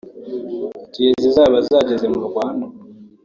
Igihe zizaba zageze mu Rwanda